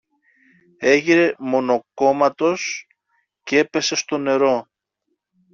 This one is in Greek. έγειρε μονοκόμματος κι έπεσε στο νερό.